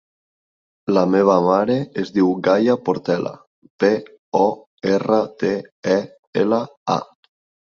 La meva mare es diu Gaia Portela: pe, o, erra, te, e, ela, a.